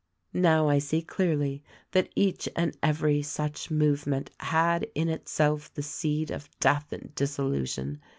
Now I see clearly that each and every such movement had in itself the seed of death and dissolution.